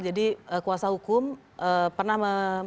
jadi kuasa hukum pernah membahas